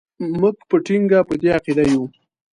موږ په ټینګه په دې عقیده یو.